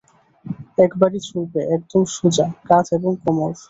একবারেই ছুঁড়বে, একদম সোজা, কাধ এবং কোমড়।